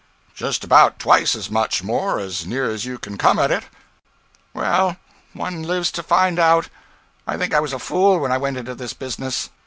'Just about twice as much more, as near as you can come at it.' 'Well, one lives to find out. I think I was a fool when I went into this business.'